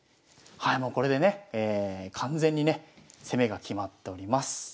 はいもうこれでね完全にね攻めが決まっております。